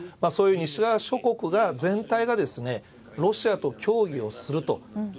そういう西側諸国全体がロシアと協議をすると。